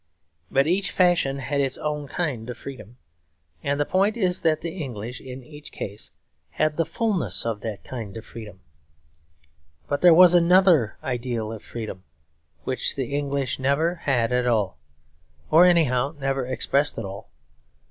But each fashion had its own kind of freedom; and the point is that the English, in each case, had the fullness of that kind of freedom. But there was another ideal of freedom which the English never had at all; or, anyhow, never expressed at all.